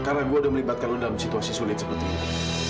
karena gue udah melibatkan lu dalam situasi sulit seperti ini